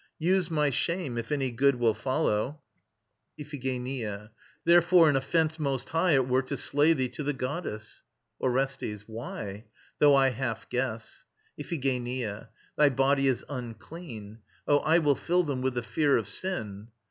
Use my shame, if any good Will follow. IPHIGENIA. Therefore, an offence most high It were to slay thee to the goddess! ORESTES. Why? Though I half guess. IPHIGENIA. Thy body is unclean. Oh, I will fill them with the fear of sin!